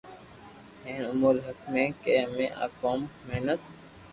ھين اموري حق ھي ڪي امي آ ڪوم محنت